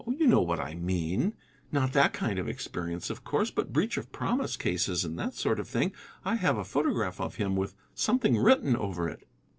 "Oh, you know what I mean: not that kind of experience, of course. But breach of promise cases and that sort of thing. I have a photograph of him with something written over it."